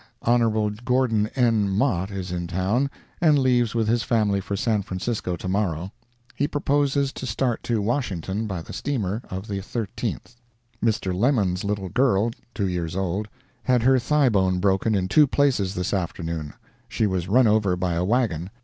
Hon. Gordon N. Mott is in town, and leaves with his family for San Francisco to morrow. He proposes to start to Washington by the steamer of the 13th. Mr. Lemmon's little girl, two years old, had her thigh bone broken in two places this afternoon; she was run over by a wagon.